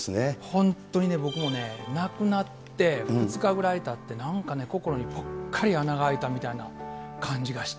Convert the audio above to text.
本当にね、僕もね、亡くなって２日ぐらいたってなんかね、心にぽっかり穴が開いたみたいな感じがして。